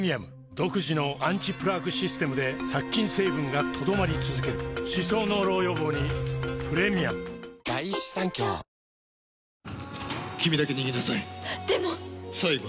独自のアンチプラークシステムで殺菌成分が留まり続ける歯槽膿漏予防にプレミアム健康診断どうでした？